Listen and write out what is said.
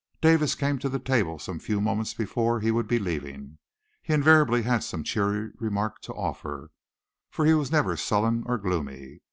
Davis came to the table some few moments before he would be leaving. He invariably had some cheery remark to offer, for he was never sullen or gloomy.